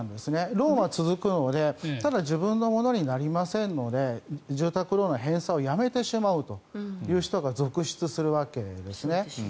ローンは続くのでただ、自分のものになりませんので住宅ローンの返済をやめてしまうという人が続出するわけですね。